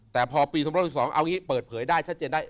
แต่พอปี๒๐๑๒เอาอย่างนี้เปิดเผยได้ชัดเจนได้